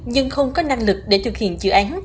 nhưng không có năng lực để thực hiện dự án